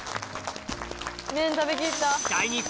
麺食べきった。